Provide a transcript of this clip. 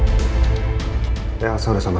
dan keputusan aku sekarang udah mulai